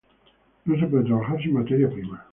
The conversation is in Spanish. No se puede trabajar sin materia prima.